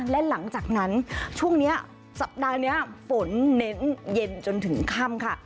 และหลังจากนั้นช่วงนี้สัปดาห์นี้ฝนเน้นเย็นจนถึงค่ำค่ะ